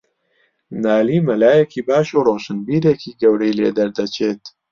نالی مەلایەکی باش و ڕۆشنبیرێکی گەورەی لێدەردەچێت